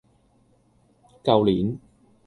舊年